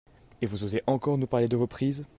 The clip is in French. Et vous osez encore nous parler de reprise